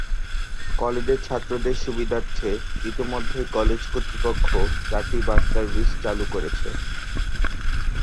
কলেজের ছাত্রদের সুবিধার্থে ইতোমধ্যে কলেজ কর্তৃপক্ষ চারটি বাস সার্ভিস চালু করেছে।